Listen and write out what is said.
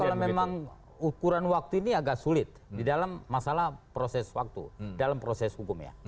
kalau memang ukuran waktu ini agak sulit di dalam masalah proses waktu dalam proses hukumnya